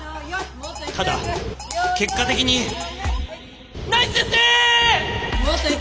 ただ結果的にナイスですね！！